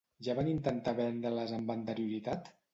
Ja van intentar vendre-les amb anterioritat?